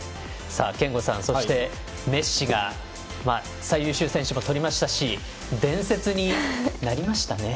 憲剛さん、メッシが最優秀選手もとりましたし伝説になりましたね。